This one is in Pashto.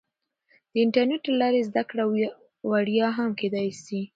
د انټرنیټ له لارې زده کړه وړیا هم کیدای سي.